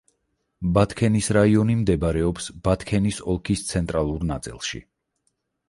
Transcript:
ბათქენის რაიონი მდებარეობს ბათქენის ოლქის ცენტრალურ ნაწილში.